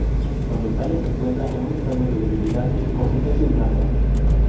Cuando sale se encuentra en un estado de debilidad y su consistencia es blanda.